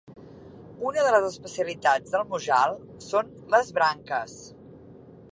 Una de les especialitats del Mujal són les branques.